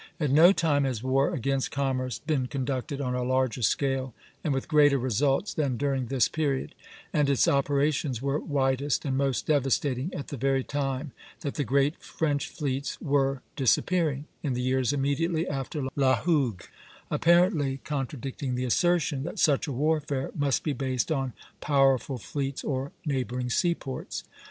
At no time has war against commerce been conducted on a larger scale and with greater results than during this period; and its operations were widest and most devastating at the very time that the great French fleets were disappearing, in the years immediately after La Hougue, apparently contradicting the assertion that such a warfare must be based on powerful fleets or neighboring seaports.